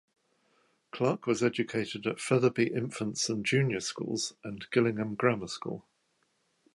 Clark was educated at Featherby Infants and Junior Schools and Gillingham Grammar School.